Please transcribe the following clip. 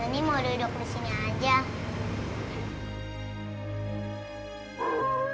noni mau duduk disini aja